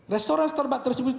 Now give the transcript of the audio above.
restoran starbucks tersebut